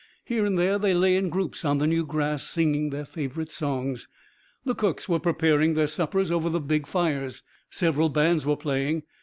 Here and there they lay in groups on the new grass, singing their favorite songs. The cooks were preparing their suppers over the big fires. Several bands were playing.